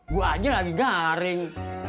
gue aja lagi garing